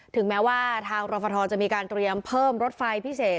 ถึงแม้ว่าทางรฟทจะมีการเตรียมเพิ่มรถไฟพิเศษ